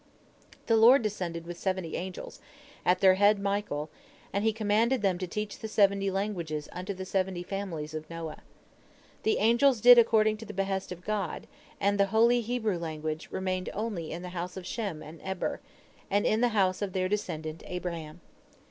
The Lord descended with seventy angels, at their head Michael, and he commanded them to teach the seventy languages unto the seventy families of Noah. The angels did according to the behest of God, and the holy Hebrew language remained only in the house of Shem and Eber, and in the house of their descendant Abraham.